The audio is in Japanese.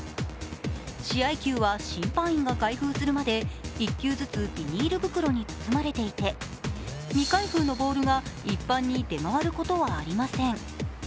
試合球は審判員が開封するまで１球ずつビニール袋に包まれていて未開封のボールが一般に出回ることはありません。